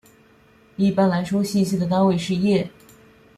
一般来说信息的单位是页。